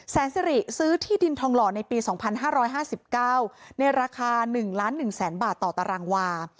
สิริซื้อที่ดินทองหล่อในปี๒๕๕๙ในราคา๑ล้าน๑แสนบาทต่อตารางวา